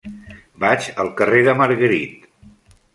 Vaig al carrer de Margarit.